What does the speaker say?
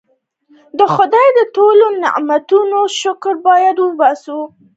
د خدای د ټولو نعمتونو شکر باید وباسو.